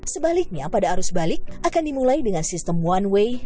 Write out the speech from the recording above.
sebaliknya pada arus balik akan dimulai dengan sistem one way